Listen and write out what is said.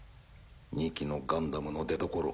２機のガンダムの出どころ